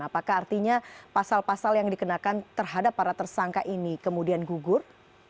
apakah artinya pasal pasal yang dikenakan terhadap para tersangka ini kemudian gugur